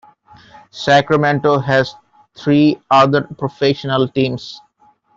Sacramento has three other professional teams.